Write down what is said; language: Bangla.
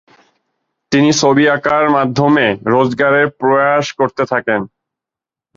তিনি ছবি আঁকার মাধ্যমে রোজগারের প্রয়াস করতে থাকেন।